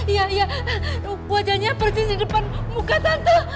iya iya wajahnya persis di depan muka tanda